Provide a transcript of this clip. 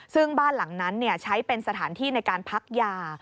ซึ่งบ้านหลังนั้นใช้เป็นสถานที่ในการพักยา